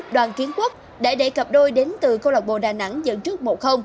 đoàn kiến quốc đã đẩy cặp đôi đến từ câu lạc bộ đà nẵng dẫn trước một